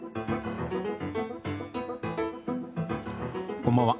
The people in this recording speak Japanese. こんばんは。